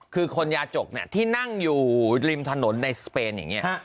คือคนยาจกที่นั่งอยู่ริมถนนในสเปนอย่างนี้